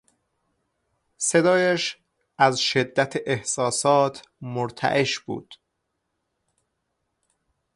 صدایش از شدت احساسات مرتعش بود.